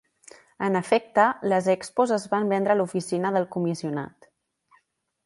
En efecte, les Expos es van vendre a l'oficina del comissionat.